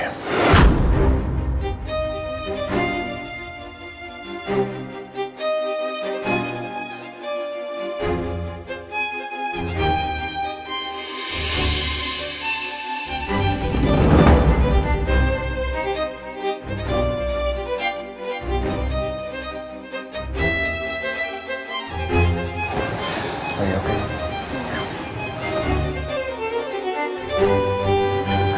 ada kesalahan being accepted